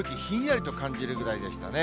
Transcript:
けさはもう、空気ひんやりと感じるぐらいでしたね。